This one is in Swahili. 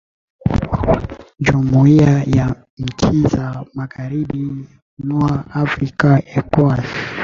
jumuiya ya nchi za magharibi mwa afrika ecowas